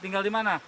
tinggal di mana